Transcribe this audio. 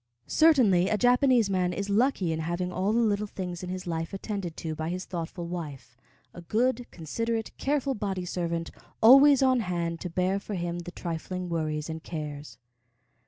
Certainly a Japanese man is lucky in having all the little things in his life attended to by his thoughtful wife, a good, considerate, careful body servant, always on hand to bear for him the trifling worries and cares.